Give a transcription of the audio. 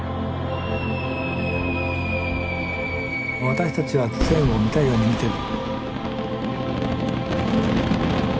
私たちは線を見たいように見てる。